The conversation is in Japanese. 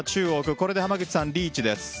これで濱口さん、リーチです。